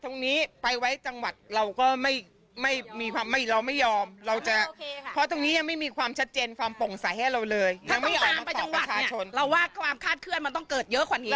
น้ำไปจังหวัดเนี่ยเราว่าความคาดเคลื่อนมันต้องเกิดเยอะกว่านี้